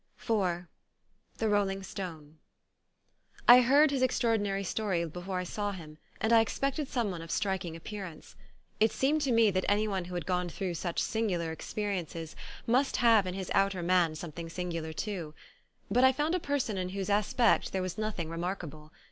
18 IV THE ROLLING STONE I HEARD his extraordinary story before I I saw him and I expected someone of strik ing appearance. It seemed to me that any one who had gone through such singular experiences must have in his outer man something singular too. But I found a person in whose aspect there was nothing remarkable.